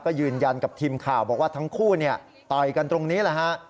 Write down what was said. ก็ยืนยันกับทีมข่าวบอกว่าทั้งคู่ต่อยกันตรงนี้แหละฮะ